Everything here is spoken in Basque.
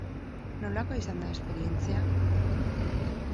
Nolakoa izan da esperientzia?